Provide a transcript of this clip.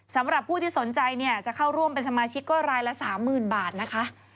สำหรับผู้ที่สนใจเนี่ยจะเข้าร่วมเป็นสมาชิกก็รายละ๓๐๐๐บาทนะคะ